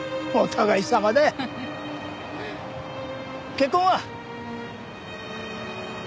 結婚は？